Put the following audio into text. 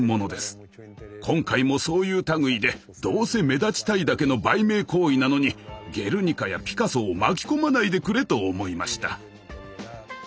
今回もそういう類いでどうせ目立ちたいだけの売名行為なのに「ゲルニカ」やピカソを巻き込まないでくれと思いました。